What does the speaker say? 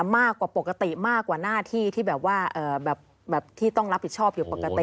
มากกว่าปกติมากกว่าหน้าที่ที่แบบว่าที่ต้องรับผิดชอบอยู่ปกติ